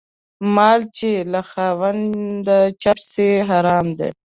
مال چې له خاونده چپ سي حرام دى.